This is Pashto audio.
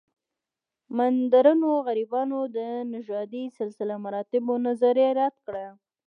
مډرنو غربیانو د نژادي سلسله مراتبو نظریه رد کړه.